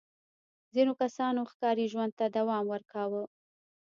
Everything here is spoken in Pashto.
ځینو کسانو ښکاري ژوند ته دوام ورکاوه.